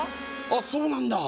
あっそうなんだ